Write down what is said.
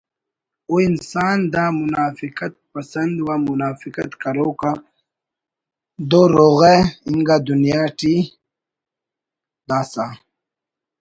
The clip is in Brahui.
ءُ انسان دا منافقت پسند و منافقت کروک آ دو رَغہ انگا دنیا ٹی داسہ